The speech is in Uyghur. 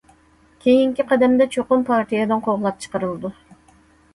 كېيىنكى قەدەمدە چوقۇم پارتىيەدىن قوغلاپ چىقىرىلىدۇ.